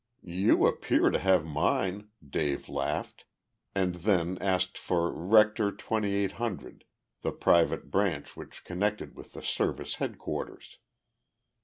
"You appear to have mine," Dave laughed, and then asked for Rector 2800, the private branch which connected with the Service headquarters.